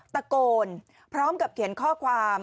ตะโกนพร้อมกับเขียนข้อความ